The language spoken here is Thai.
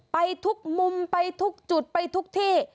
ไปทุกมุมไปทุกจุดไปทุกที่